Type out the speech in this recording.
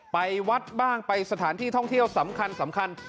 ไปวัดบ้างไปสถานที่ท่องเที่ยวสำคัญ